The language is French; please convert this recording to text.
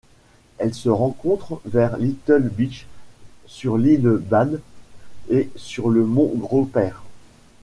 Elle se rencontre vers Little Beach, sur l'île Bald et sur le mont Groper.